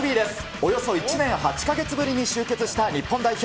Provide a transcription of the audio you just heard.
およそ１年８か月ぶりに集結した日本代表。